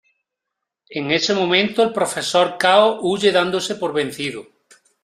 En ese momento, el Profesor Chaos huye dándose por vencido.